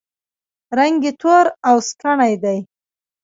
رنګ یې تور او سکڼۍ دی.